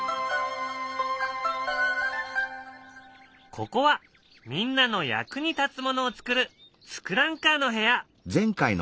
ここはみんなの役に立つものをつくる「ツクランカー」の部屋。